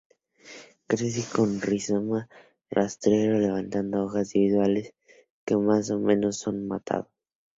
Crece de un rizoma rastrero, levantando hojas individuales que más o menos son matas.